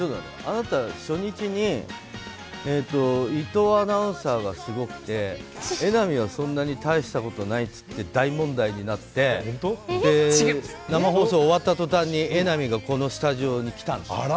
あなた、初日に伊藤アナウンサーがすごくて榎並はそんなに大したことないって言って大問題になって生放送が終わった途端に榎並がこのスタジオに来たの。